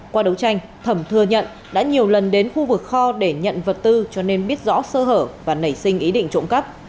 qua đấu tranh thẩm thừa nhận đã nhiều lần đến khu vực kho để nhận vật tư cho nên biết rõ sơ hở và nảy sinh ý định trộm cắp